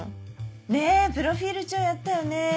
ねぇプロフィール帳やったよね